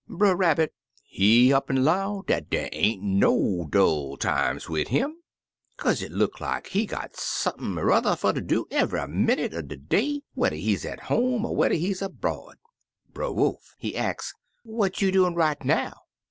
Brer Rabbit he up an' 'low dat dey ain't no dull times wid him, kaze it look like he gpt siunp'n n'er fer ter do eve'y min nit er de day wiiedder he's at home or whedder he's abroad. Brer Wolf, he ax, 'What you doin' right now?'